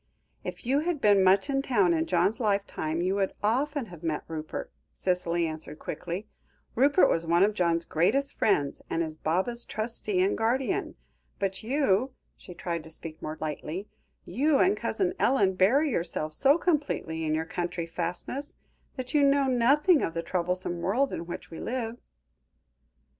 "If you had been much in town in John's lifetime you would often have met Rupert," Cicely answered quickly. "Rupert was one of John's greatest friends, and is Baba's trustee and guardian. But you," she tried to speak more lightly, "you and Cousin Ellen bury yourselves so completely in your country fastness, that you know nothing of the troublesome world in which we live."